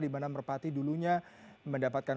dimana merpati dulunya mendapatkan